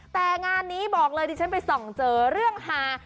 แต่งานนี้บอกเลยดิฉันไปส่องเจอเรื่องฮา